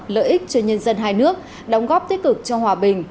lợi ích cho nhân dân hai nước đóng góp tích cực cho hòa bình